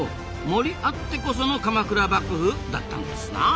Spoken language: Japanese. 森あってこその鎌倉幕府だったんですな。